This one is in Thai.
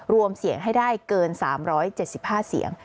รวมเสียงให้ได้เกิน๓๗๕เสียง